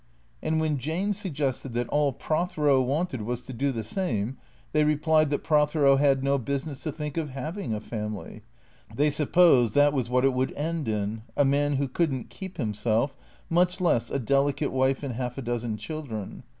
And when Jane suggested that all Prothero wanted was to do the same, they replied that Prothero had no business to think of having a family — they supposed that was what it would end in — a man who could n't keep himself, much less a delicate wife and half a dozen children.